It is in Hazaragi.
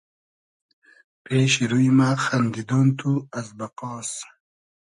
پېشی روی مۂ خئندیدۉن تو از بئقاس